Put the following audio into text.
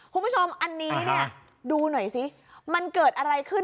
คุณผู้ชมอันนี้เนี่ยดูหน่อยสิมันเกิดอะไรขึ้น